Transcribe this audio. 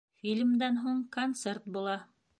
Фильмдан һуң концерт була